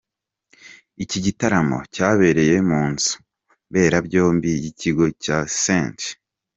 Iki gitaramo cyabereye mu nzu mberabyombi y’ikigo cya St.